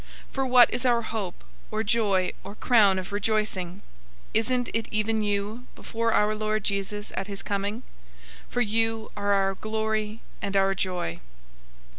002:019 For what is our hope, or joy, or crown of rejoicing? Isn't it even you, before our Lord Jesus{TR adds "Christ"} at his coming? 002:020 For you are our glory and our joy.